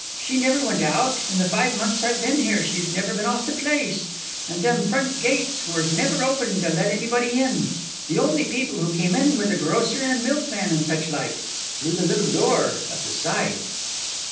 She never went out in the five months I've been here, she's never been off the place; and them front gates was never opened to let anybody in. The only people who come in were the grocer and milk man and such like, through the little door at the side."